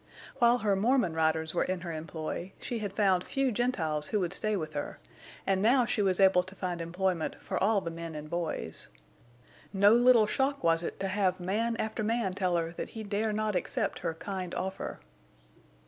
While her Mormon riders were in her employ she had found few Gentiles who would stay with her, and now she was able to find employment for all the men and boys. No little shock was it to have man after man tell her that he dare not accept her kind offer.